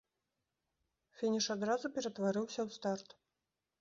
Фініш адразу ператварыўся ў старт.